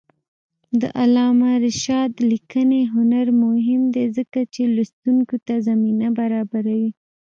د علامه رشاد لیکنی هنر مهم دی ځکه چې لوستونکي ته زمینه برابروي.